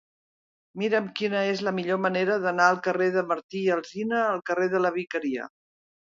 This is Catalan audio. Mira'm quina és la millor manera d'anar del carrer de Martí i Alsina al carrer de la Vicaria.